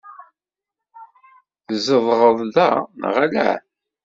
Tzedɣeḍ da, neɣ ala?